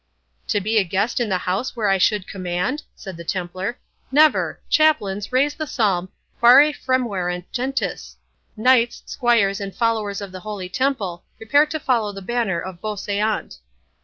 "To be a guest in the house where I should command?" said the Templar; "never!—Chaplains, raise the Psalm, 'Quare fremuerunt Gentes?'—Knights, squires, and followers of the Holy Temple, prepare to follow the banner of 'Beau seant!